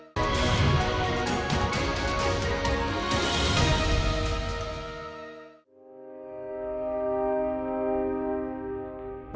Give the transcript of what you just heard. tentara kamanan rakyat